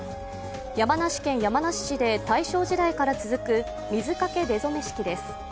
山梨県山梨市で大正時代から続く水かけ出初式です。